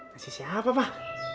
nasi siapa pak